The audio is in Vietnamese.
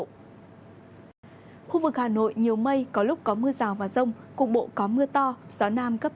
khu vực hà nội nhiều mây có lúc có mưa rào và rông cùng bộ có mưa to gió nam cấp hai ba